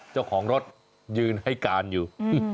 เจ้าของรถยืนให้การอยู่